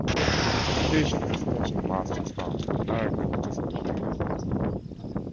The station, and stationmaster's house were directly adjacent to Pengam pit.